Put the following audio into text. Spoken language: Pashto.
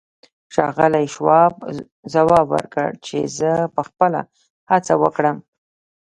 ښاغلي شواب ځواب ورکړ چې زه به خپله هڅه وکړم.